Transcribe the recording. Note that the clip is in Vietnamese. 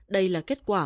đây là kết quả